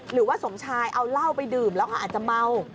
หรือว่าสมชายเอาเหล้าไปดื่มแล้วก็อาจจะเมา